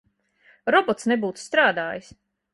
Robots nebūtu strādājis.